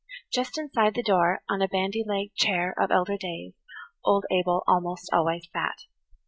Just inside the door, on a bandy legged chair of elder days, old Abel almost always sat.